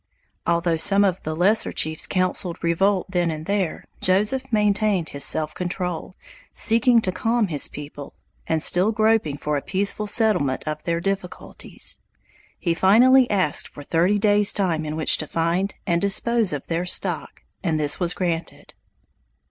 Although some of the lesser chiefs counseled revolt then and there, Joseph maintained his self control, seeking to calm his people, and still groping for a peaceful settlement of their difficulties. He finally asked for thirty days' time in which to find and dispose of their stock, and this was granted.